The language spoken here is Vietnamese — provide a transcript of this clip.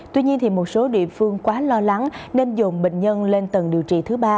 tuy nhiên một số địa phương quá lo lắng nên dồn bệnh nhân lên tầng điều trị thứ ba